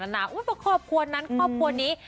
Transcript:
วันน้ังว่าครอบครัวนั้นครอบครัวนี้